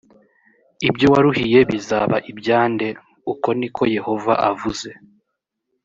ibyo waruhiye bizaba ibya nde‽ uko ni ko yehova avuze